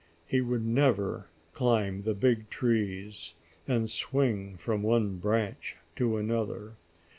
He would never climb the big trees, and swing from one branch to another.